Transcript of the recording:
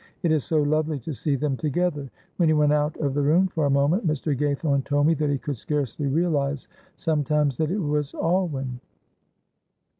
It is so lovely to see them together. When he went out of the room for a moment, Mr. Gaythorne told me that he could scarcely realise sometimes that it was Alwyn."